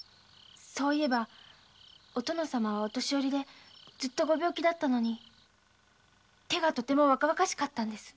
そういえばお殿様はお年寄りでずっとご病気だったのに手がとても若々しかったのです。